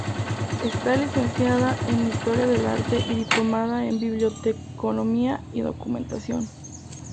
Está licenciada en Historia del arte y diplomada en Biblioteconomía y Documentación.